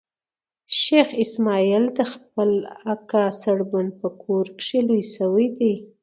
شېخ اسماعیل د خپل اکا سړبن په کور کښي لوی سوی دئ.